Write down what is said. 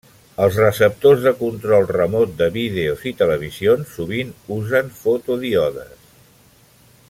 Els receptors de control remot de vídeos i televisions sovint usen fotodíodes.